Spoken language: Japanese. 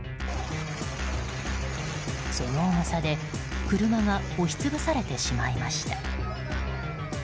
その重さで車が押し潰されてしまいました。